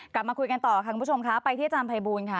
กลับมาคุยกันต่อค่ะคุณผู้ชมค่ะไปที่อาจารย์ภัยบูลค่ะ